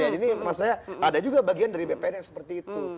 jadi maksudnya ada juga bagian dari bpn yang seperti itu